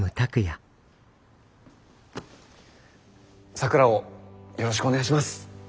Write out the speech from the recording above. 咲良をよろしくお願いします。